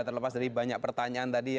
terlepas dari banyak pertanyaan tadi